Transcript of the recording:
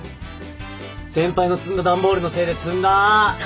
先輩の積んだ段ボールのせいで詰んだ。